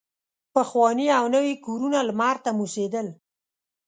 پخواني او نوي کورونه لمر ته موسېدل.